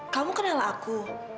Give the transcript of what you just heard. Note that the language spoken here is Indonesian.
kamu kenal aku